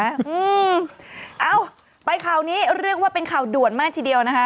เอ้าไปข่าวนี้เรียกว่าเป็นข่าวด่วนมากทีเดียวนะคะ